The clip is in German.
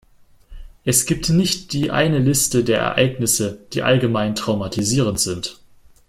Es gibt nicht die eine Liste der Ereignisse, die allgemein traumatisierend sind.